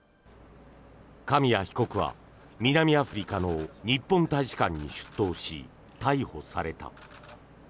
紙谷被告は南アフリカの日本大使館に出頭し逮捕された。